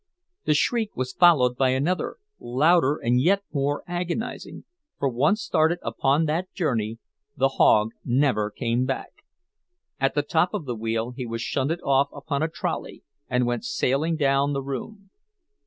The shriek was followed by another, louder and yet more agonizing—for once started upon that journey, the hog never came back; at the top of the wheel he was shunted off upon a trolley, and went sailing down the room.